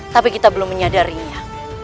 tapi kita belum menyadarinya